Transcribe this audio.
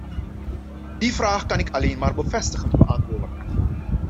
Die vraag kan ik alleen maar bevestigend beantwoorden.